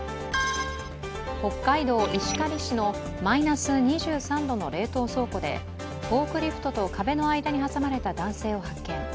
北海道石狩市のマイナス２３度の冷凍倉庫でフォークリフトと壁の間に挟まれた男性を発見